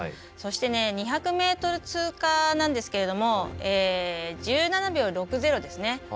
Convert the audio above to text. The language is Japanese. そして、２００ｍ通過なんですけども１７秒６０ですね。